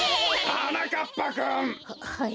はなかっぱくん！